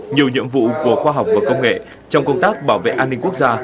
nhiều nhiệm vụ của khoa học và công nghệ trong công tác bảo vệ an ninh quốc gia